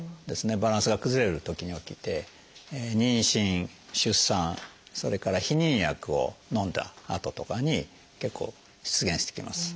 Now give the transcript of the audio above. バランスが崩れるときに起きて妊娠出産それから避妊薬をのんだあととかに結構出現してきます。